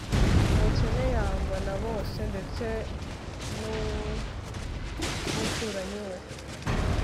umukene yangwa na bose, ndetse n'umuturanyi we